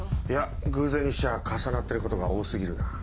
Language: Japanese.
いや偶然にしちゃ重なってることが多過ぎるな。